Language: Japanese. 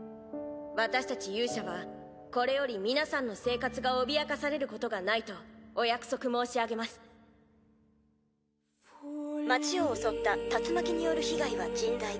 私たち勇者はこれより皆さんの生活が脅かされることがないとお約束申し上げます街を襲った竜巻による被害は甚大。